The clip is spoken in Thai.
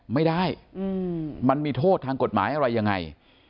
ไม่ได้มันมีโทษทางกฎหมายอะไรยังไง